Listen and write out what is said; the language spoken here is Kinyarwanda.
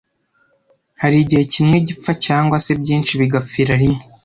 hari igihe kimwe gipfa cyangwa se byinshi bigapfira rimwe